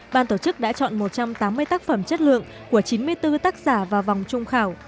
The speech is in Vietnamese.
ban tổ chức đã chọn một trăm tám mươi tác phẩm chất lượng của chín mươi bốn tác giả vào vòng trung khảo